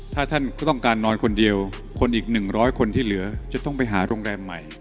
ถ้าท่านก็ต้องการนอนคนเดียวคนอีก๑๐๐คนที่เหลือจะต้องไปหาโรงแรมใหม่